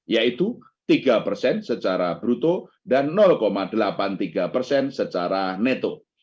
yaitu tiga persen secara bruto dan delapan puluh tiga persen secara neto